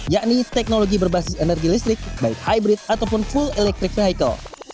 yakni teknologi berbasis energi listrik baik hybrid ataupun full electric vehicle